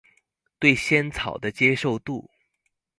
對仙草的接受度